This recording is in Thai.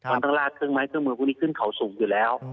มันต้องลากเครื่องไม้เครื่องมือพวกนี้ขึ้นเขาสูงอยู่แล้ว